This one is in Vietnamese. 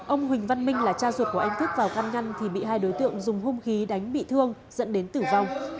ông huỳnh văn minh là cha ruột của anh thức vào căn ngăn thì bị hai đối tượng dùng hung khí đánh bị thương dẫn đến tử vong